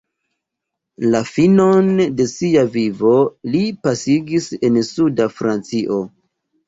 La finon de sia vivo li pasigis en suda Francio.